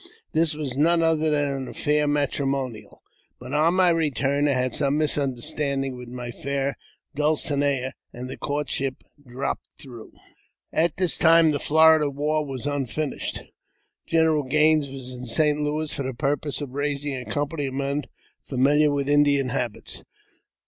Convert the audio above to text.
This was none other than an affair matrimonial ; but on my return I had some misunderstanding with my fair dulcinea, and the courtship dropped through. At this time the Florida war was unfinished. General Gaines was in St. Louis for the purpose of raising a company of men familiar with Indian habits.